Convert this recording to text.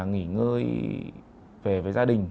nghỉ ngơi về với gia đình